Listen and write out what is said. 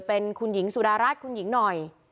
เป็นคุณหญิงสุดารัฐคุณหญิงหน่อย